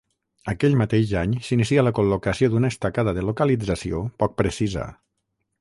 Aquell mateix any s'inicia la col·locació d'una estacada de localització poc precisa.